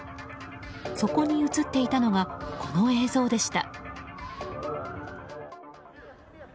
そこに映っていたのがこの映像でした。